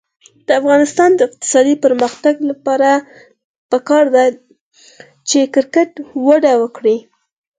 د افغانستان د اقتصادي پرمختګ لپاره پکار ده چې کرکټ وده وکړي.